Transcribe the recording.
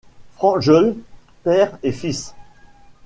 Franjeul, père et fils.